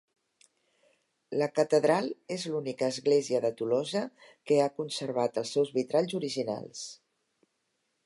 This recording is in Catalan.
La catedral és l'única església de Tolosa que ha conservat els seus vitralls originals.